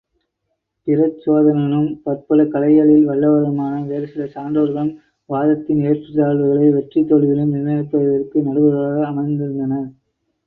பிரச்சோதனனும், பற்பல கலைகளிலும் வல்லவரான வேறு சில சான்றோர்களும் வாதத்தின் ஏற்றத்தாழ்வுகளையும் வெற்றி தோல்விகளையும் நிர்ணயிப்பதற்குரிய நடுவர்களாக அமர்ந்திருந்தனர்.